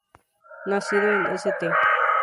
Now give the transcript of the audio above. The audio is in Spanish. Nacido en St.